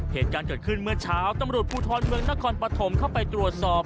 เหตุการณ์เกิดขึ้นเมื่อเช้าตำรวจภูทรเมืองนครปฐมเข้าไปตรวจสอบ